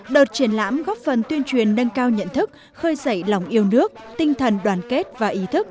đợt triển lãm góp phần tuyên truyền nâng cao nhận thức khơi dậy lòng yêu nước tinh thần đoàn kết và ý thức